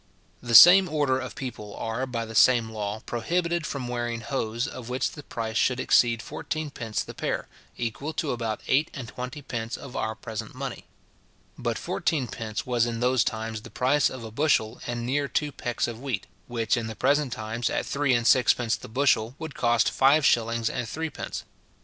The same order of people are, by the same law, prohibited from wearing hose, of which the price should exceed fourteen pence the pair, equal to about eight and twenty pence of our present money. But fourteen pence was in those times the price of a bushel and near two pecks of wheat; which in the present times, at three and sixpence the bushel, would cost five shillings and threepence.